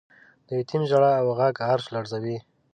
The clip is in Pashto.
د یتیم ژړا او غږ عرش لړزوی.